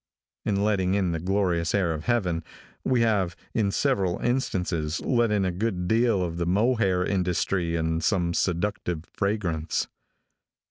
In letting in the glorious air of heaven, we have in several instances let in a good deal of the mohair industry and some seductive fragrance.